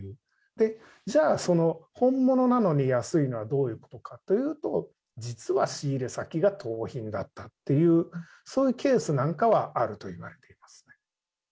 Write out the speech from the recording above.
で、じゃあその、本物なのに安いのはどういうことかというと、実は仕入れ先が盗品だったっていう、そういうケースなんかはあるといわれています。